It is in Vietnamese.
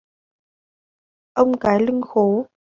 Ông cài lưng khố